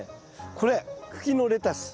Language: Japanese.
これ茎のレタス。